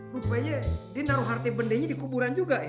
rupanya dia naruh harta benda nya di kuburan juga ya